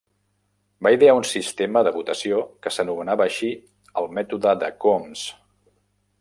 Va idear un sistema de votació, que s'anomenava així el mètode de Coombs.